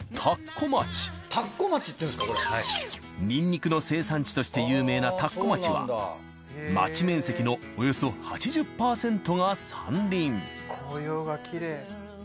にんにくの生産地として有名な田子町は町面積のおよそ８０％が山林紅葉がきれい。